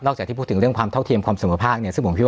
นอกจากที่พูดถึงเรื่องความเทาะเทียมความสุขภาค